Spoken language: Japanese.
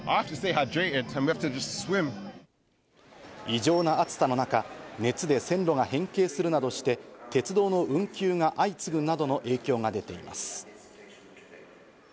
異常な暑さの中、熱で線路が変形するなどして鉄道の運休が相次ぐなどの影響が出ています。